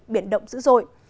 biển động dữ dội